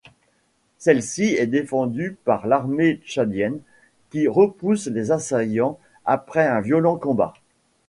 Celle-ci est défendue par l'armée tchadienne qui repousse les assaillants après un violent combat.